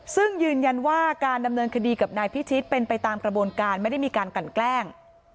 ซึ่งยืนยันว่าการดำเนินคดีกับนายพิชิตเป็นไปตามกระบวนการไม่ได้มีการกันแกล้ง